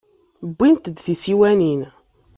Wwint-d tisiwanin.